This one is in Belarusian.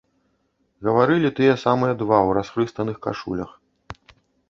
Гаварылі тыя самыя два ў расхрыстаных кашулях.